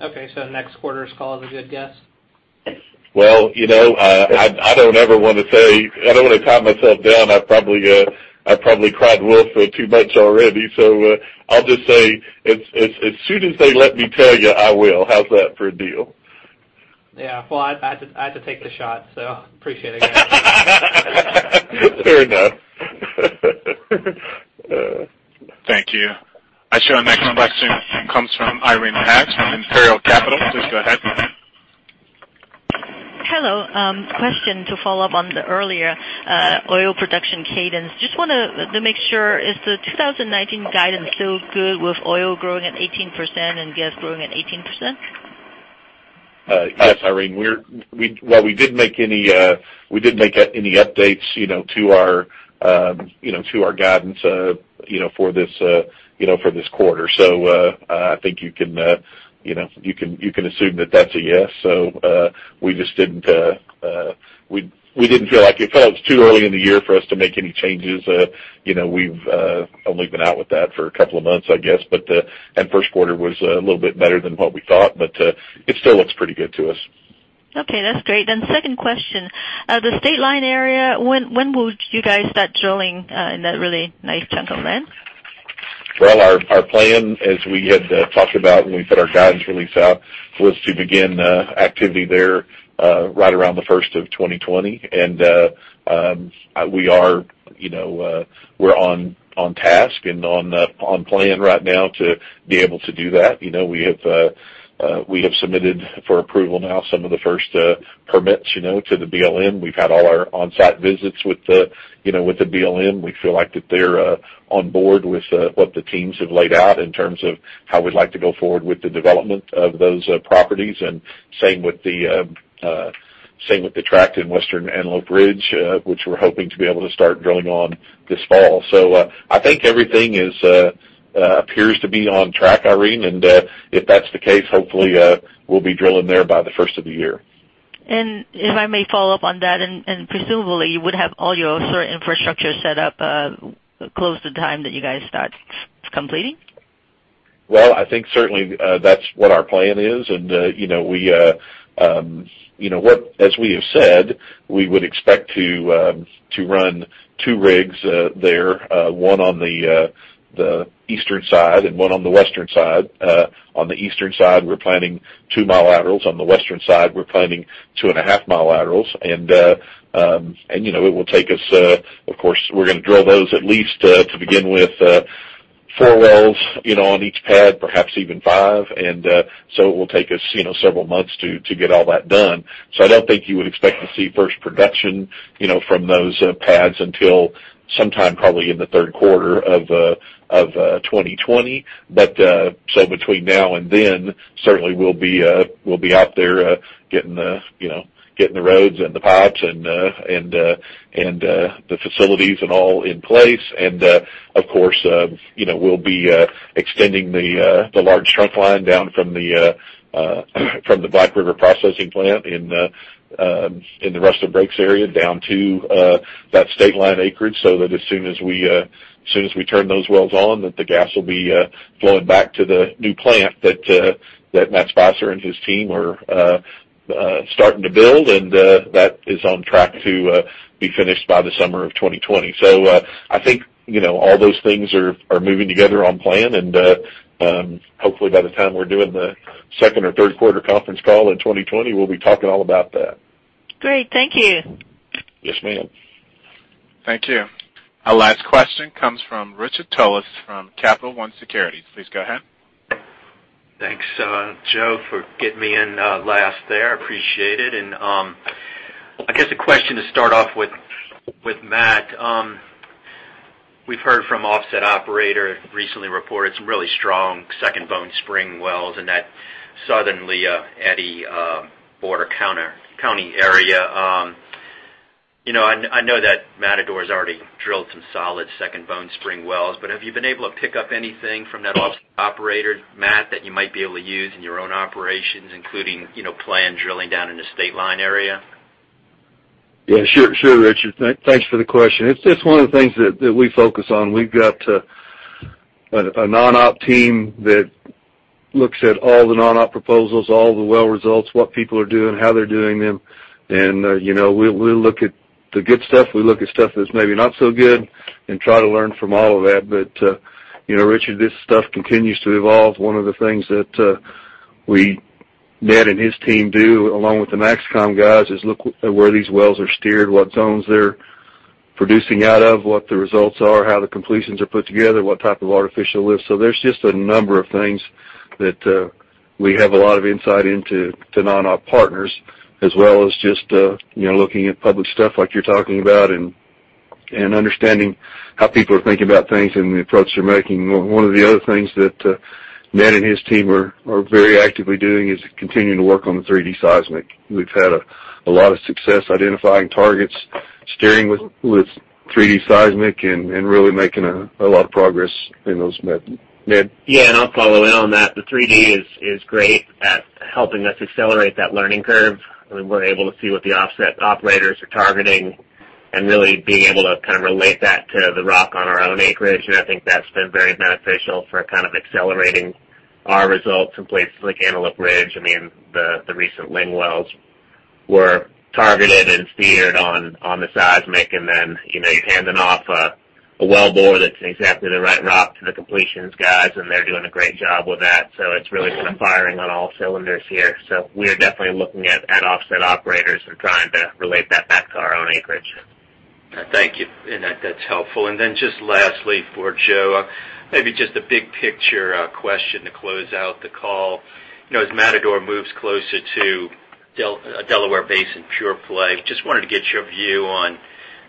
Okay. Next quarter's call is a good guess? Well, I don't want to tie myself down. I probably cried wolf too much already. I will just say, as soon as they let me tell you, I will. How is that for a deal? Yeah. Well, I had to take the shot, so appreciate it. Fair enough. Thank you. I show our next question comes from Irene Haas from Imperial Capital. Please go ahead. Hello. Question to follow up on the earlier oil production cadence. Just want to make sure, is the 2019 guidance still good with oil growing at 18% and gas growing at 18%? Yes, Irene. Well, we didn't make any updates to our guidance for this quarter. I think you can assume that that's a yes. We just didn't feel like it. It felt it was too early in the year for us to make any changes. We've only been out with that for a couple of months, I guess. The first quarter was a little bit better than what we thought, but it still looks pretty good to us. Okay, that's great. Second question. The State Line Area, when would you guys start drilling in that really nice chunk of land? Well, our plan, as we had talked about when we put our guidance release out, was to begin activity there right around the first of 2020. We're on task and on plan right now to be able to do that. We have submitted for approval now some of the first permits to the BLM. We've had all our on-site visits with the BLM. We feel like that they're on board with what the teams have laid out in terms of how we'd like to go forward with the development of those properties, same with the tract in Western Antelope Ridge, which we're hoping to be able to start drilling on this fall. I think everything appears to be on track, Irene, and if that's the case, hopefully, we'll be drilling there by the first of the year. If I may follow up on that, and presumably you would have all your sort of infrastructure set up close to the time that you guys start completing? Well, I think certainly that's what our plan is. As we have said, we would expect to run two rigs there, one on the eastern side and one on the western side. On the eastern side, we're planning two mile laterals. On the western side, we're planning two and a half mile laterals. It will take us, of course, we're going to drill those at least to begin with four wells on each pad, perhaps even five. It will take us several months to get all that done. I don't think you would expect to see first production from those pads until sometime probably in the third quarter of 2020. Between now and then, certainly we'll be out there getting the roads and the pipes and the facilities and all in place. Of course, we'll be extending the large trunk line down from the Black River processing plant in the Rustler Breaks area down to that state line acreage, so that as soon as we turn those wells on, that the gas will be flowing back to the new plant that Matt Spicer and his team are starting to build. That is on track to be finished by the summer of 2020. I think all those things are moving together on plan. Hopefully, by the time we're doing the second or third quarter conference call in 2020, we'll be talking all about that. Great. Thank you. Yes, ma'am. Thank you. Our last question comes from Richard Tullis from Capital One Securities. Please go ahead. Thanks, Joe, for getting me in last there. Appreciate it. I guess a question to start off with Matt. We've heard from Offset Operator recently reported some really strong Second Bone Spring wells in that southern Lea-Eddy border county area. I know that Matador's already drilled some solid Second Bone Spring wells, but have you been able to pick up anything from that offset operator, Matt, that you might be able to use in your own operations, including planned drilling down in the state line area? Sure, Richard. Thanks for the question. It's just one of the things that we focus on. We've got a non-op team that looks at all the non-op proposals, all the well results, what people are doing, how they're doing them. We look at the good stuff, we look at stuff that's maybe not so good and try to learn from all of that. Richard, this stuff continues to evolve. One of the things that Ned and his team do, along with the MAXCOM guys, is look at where these wells are steered, what zones they're producing out of, what the results are, how the completions are put together, what type of artificial lift. There's just a number of things that we have a lot of insight into non-op partners, as well as just looking at public stuff like you're talking about and understanding how people are thinking about things and the approach they're making. One of the other things that Ned and his team are very actively doing is continuing to work on the 3D seismic. We've had a lot of success identifying targets, steering with 3D seismic, and really making a lot of progress in those. Ned? I'll follow in on that. The 3D is great at helping us accelerate that learning curve. We're able to see what the offset operators are targeting and really being able to relate that to the rock on our own acreage. I think that's been very beneficial for accelerating our results in places like Antelope Ridge. The recent Ling wells Were targeted and steered on the seismic, you're handing off a wellbore that's exactly the right rock to the completions guys, and they're doing a great job with that. It's really been firing on all cylinders here. We are definitely looking at offset operators and trying to relate that back to our own acreage. Thank you. That's helpful. Just lastly for Joe, maybe just a big picture question to close out the call. As Matador moves closer to a Delaware Basin pure play, just wanted to get your view on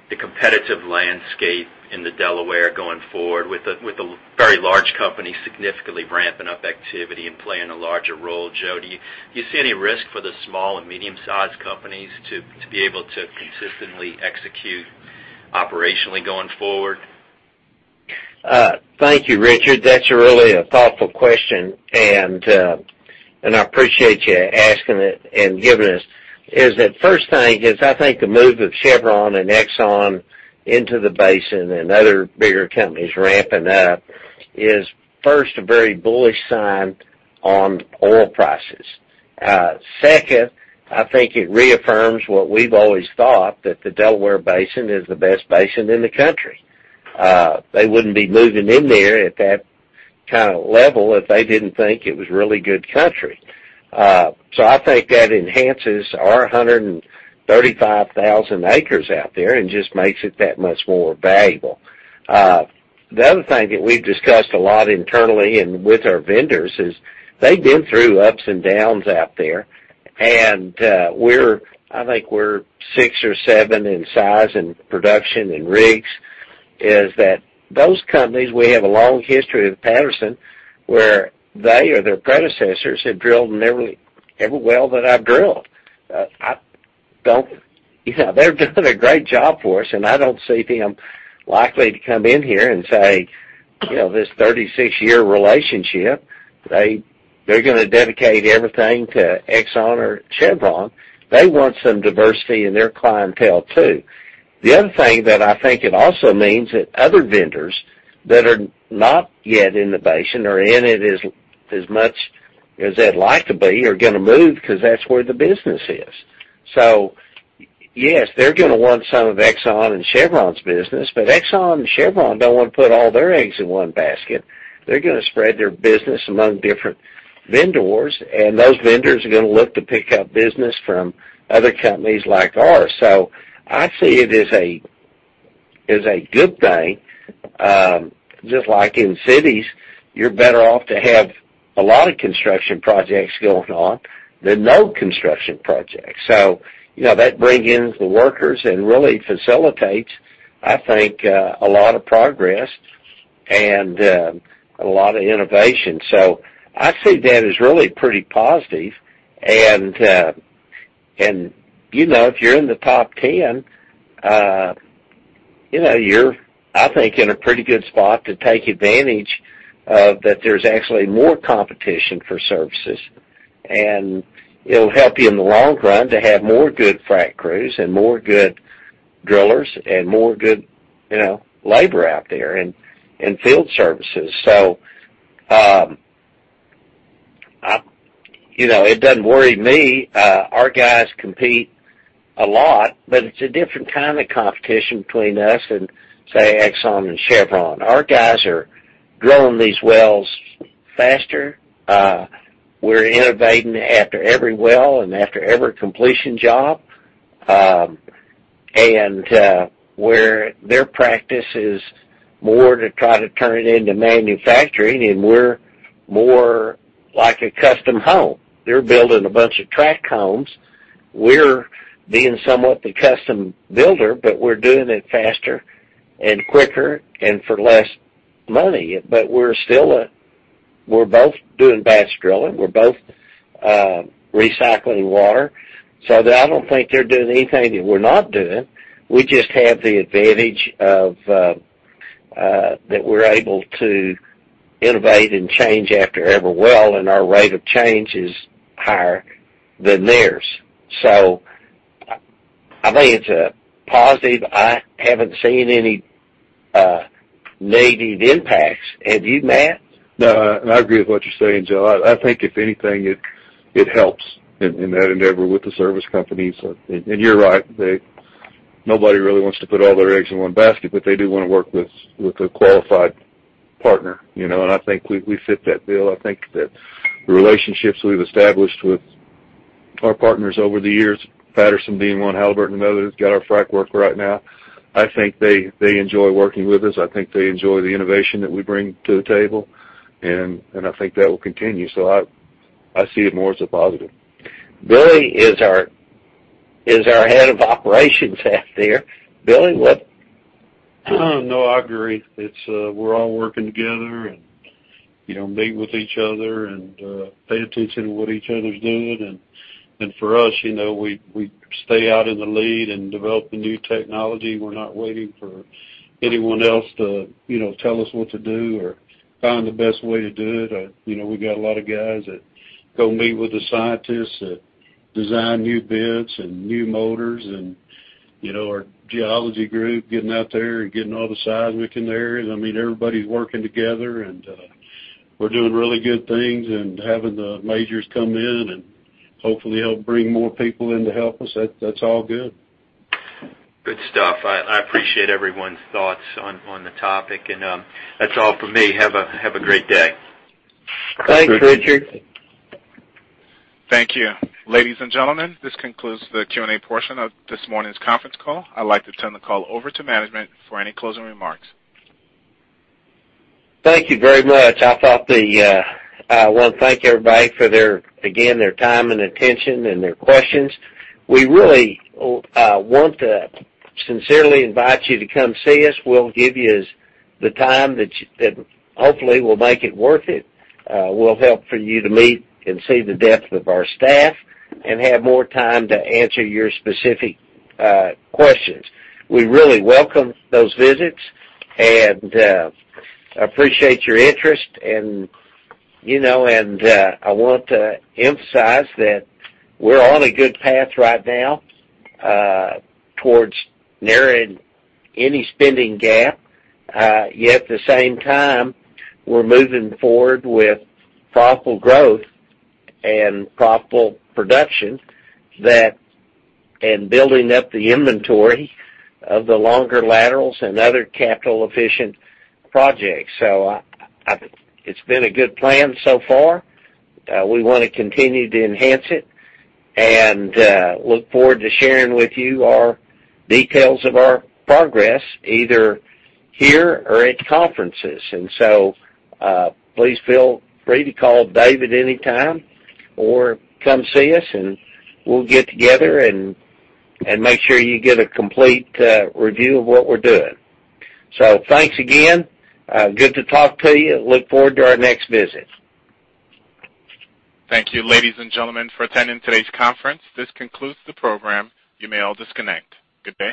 the competitive landscape in the Delaware going forward with the very large companies significantly ramping up activity and playing a larger role. Joe, do you see any risk for the small and medium-sized companies to be able to consistently execute operationally going forward? Thank you, Richard. That's really a thoughtful question, and I appreciate you asking it. First thing is I think the move of Chevron and Exxon into the basin and other bigger companies ramping up is first a very bullish sign on oil prices. Second, I think it reaffirms what we've always thought, that the Delaware Basin is the best basin in the country. They wouldn't be moving in there at that kind of level if they didn't think it was really good country. I think that enhances our 135,000 acres out there and just makes it that much more valuable. The other thing that we've discussed a lot internally and with our vendors is they've been through ups and downs out there, and I think we're six or seven in size in production and rigs, is that those companies, we have a long history with Patterson, where they or their predecessors have drilled nearly every well that I've drilled. They've done a great job for us, and I don't see them likely to come in here and say, this 36-year relationship, they're gonna dedicate everything to Exxon or Chevron. They want some diversity in their clientele, too. The other thing that I think it also means that other vendors that are not yet in the basin or in it as much as they'd like to be, are gonna move because that's where the business is. Yes, they're gonna want some of Exxon and Chevron's business, but Exxon and Chevron don't want to put all their eggs in one basket. They're gonna spread their business among different vendors, and those vendors are gonna look to pick up business from other companies like ours. I see it as a good thing. Just like in cities, you're better off to have a lot of construction projects going on than no construction projects. That brings in the workers and really facilitates, I think, a lot of progress and a lot of innovation. I see that as really pretty positive, and if you're in the top 10, you're, I think, in a pretty good spot to take advantage of that there's actually more competition for services, and it'll help you in the long run to have more good frac crews and more good drillers and more good labor out there and field services. It doesn't worry me. Our guys compete a lot, but it's a different kind of competition between us and, say, Exxon and Chevron. Our guys are drilling these wells faster. We're innovating after every well and after every completion job, and where their practice is more to try to turn it into manufacturing and we're more like a custom home. They're building a bunch of tract homes. We're being somewhat the custom builder, but we're doing it faster and quicker and for less money. We're both doing batch drilling. We're both recycling water. I don't think they're doing anything that we're not doing. We just have the advantage of that we're able to innovate and change after every well, and our rate of change is higher than theirs. I think it's a positive. I haven't seen any negative impacts. Have you, Matt? No, I agree with what you're saying, Joe. I think if anything, it helps in that endeavor with the service companies. You're right. Nobody really wants to put all their eggs in one basket, but they do want to work with a qualified partner. I think we fit that bill. I think that the relationships we've established with our partners over the years, Patterson being one, Halliburton another, who's got our frac work right now. I think they enjoy working with us. I think they enjoy the innovation that we bring to the table. I think that will continue. I see it more as a positive. Billy is our head of operations out there. Billy, what No, I agree. We're all working together and meet with each other and pay attention to what each other's doing. For us, we stay out in the lead and develop the new technology. We're not waiting for anyone else to tell us what to do or find the best way to do it. We got a lot of guys that go meet with the scientists that design new bits and new motors and our geology group getting out there and getting all the seismic in there. I mean, everybody's working together and we're doing really good things and having the majors come in and hopefully help bring more people in to help us. That's all good. Good stuff. I appreciate everyone's thoughts on the topic, and that's all from me. Have a great day. Thanks, Richard. Thank you. Ladies and gentlemen, this concludes the Q&A portion of this morning's conference call. I'd like to turn the call over to management for any closing remarks. Thank you very much. I want to thank everybody for their, again, their time and attention and their questions. We really want to sincerely invite you to come see us. We'll give you the time that hopefully will make it worth it. We'll help for you to meet and see the depth of our staff and have more time to answer your specific questions. We really welcome those visits and appreciate your interest, and I want to emphasize that we're on a good path right now towards narrowing any spending gap. Yet at the same time, we're moving forward with profitable growth and profitable production, and building up the inventory of the longer laterals and other capital-efficient projects. It's been a good plan so far. We want to continue to enhance it and look forward to sharing with you our details of our progress, either here or at conferences. Please feel free to call David anytime or come see us and we'll get together and make sure you get a complete review of what we're doing. Thanks again. Good to talk to you. Look forward to our next visit. Thank you, ladies and gentlemen, for attending today's conference. This concludes the program. You may all disconnect. Good day.